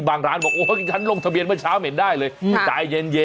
บางร้านบอกโอ๊ยฉันลงทะเบียนเมื่อเช้าเหม็นได้เลย